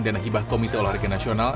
denahibah komite olahraga nasional